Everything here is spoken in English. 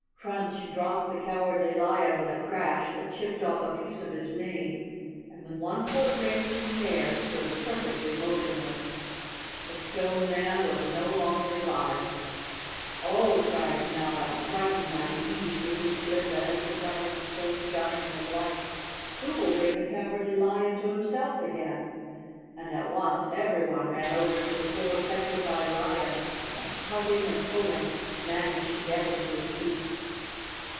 Crunch dropped the Cowardly Lion with a crash that chipped off a piece of his mane, and with one foot raised in the air stood perfectly motionless. The Stone Man was no longer alive! " Oh! " cried Notta, frightened by the ease with which 279 The Cowardly Lion of Oz _ Glinda had deprived the stone giant of life, " who will bring the Cowardly Lion to himself again?" And at once everyone ran over to the poor petrified lion, and tugging and pulling, managed to get him to his feet.